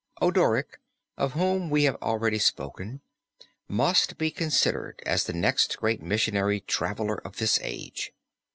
Odoric of whom we have already spoken must be considered as the next great missionary traveler of this age.